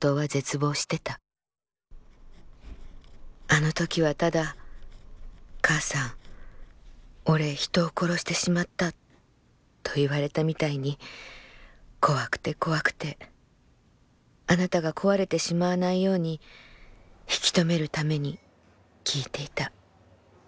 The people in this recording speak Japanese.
あの時はただ『母さん俺人を殺してしまった』と言われたみたいに怖くて怖くてあなたが壊れてしまわないように引き止めるために聞いていた。